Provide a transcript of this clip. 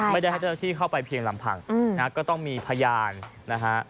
ไม่ได้ให้เจ้าหน้าที่เข้าไปเพียงลำพังนะฮะก็ต้องมีพยานนะฮะ